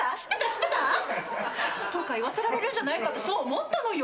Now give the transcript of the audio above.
知ってた？」とか言わせられるんじゃないかってそう思ったのよ。